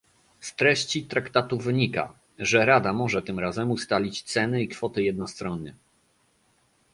Z treści traktatu wynika, że Rada może tym razem ustalić ceny i kwoty jednostronnie